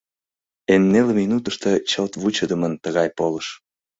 Эн неле минутышто чылт вучыдымын тыгай полыш».